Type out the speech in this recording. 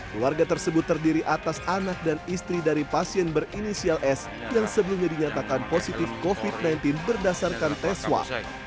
keluarga tersebut terdiri atas anak dan istri dari pasien berinisial s yang sebelumnya dinyatakan positif covid sembilan belas berdasarkan tes swab